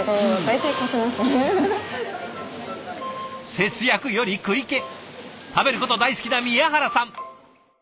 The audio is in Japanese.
節約より食い気食べること大好きな宮原さん。